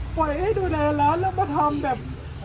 ปล่อยให้ดูได้แล้วแล้วมาทำแบบ